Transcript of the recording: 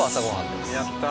やった！